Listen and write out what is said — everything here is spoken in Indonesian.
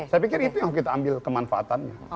saya pikir itu yang harus kita ambil kemanfaatannya